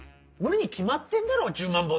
無理に決まってんだろ１０万